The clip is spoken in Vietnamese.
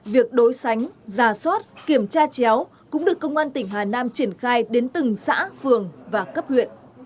việc đối sánh giả soát kiểm tra chéo cũng được công an tỉnh hà nam triển khai đến từng xã phường và cấp huyện